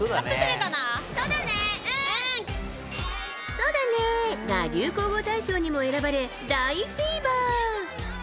「そだねー」が流行語大賞にも選ばれ大フィーバー。